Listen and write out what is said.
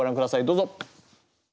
どうぞ。